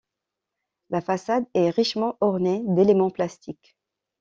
La façade est richement ornées d'éléments plastiques.